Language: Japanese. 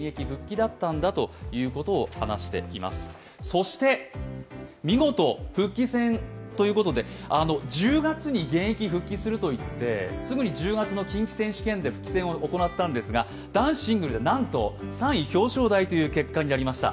そして、見事復帰戦ということで、１０月に現役復帰するといって、すぐに１０月の近畿選手権で復帰戦を行ったんですが男子シングルでなんと３位表彰台となりました。